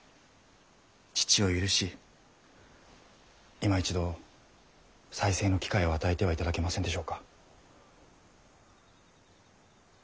父を許しいま一度再生の機会を与えてはいただけませんでしょうか。